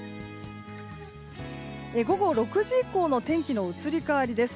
午後６時以降の天気の移り変わりです。